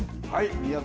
宮崎